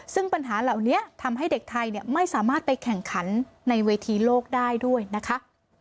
ซึ่งปัญหาเหล่านี้ทำให้เด็กไทยไม่สามารถไปแข่งขันในเวทีโลกได้ด้วยนะคะ